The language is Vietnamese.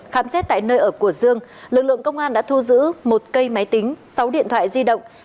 khám xét tại nơi ở của dương lực lượng công an đã thu giữ một cây máy tính sáu điện thoại di động